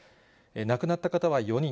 亡くなった方は４人。